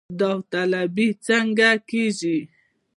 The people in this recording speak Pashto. داوطلبي څنګه کیږي؟